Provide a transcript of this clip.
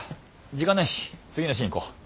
時間ないし次のシーン行こう！